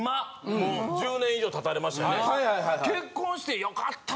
もう１０年以上経たれましたよね？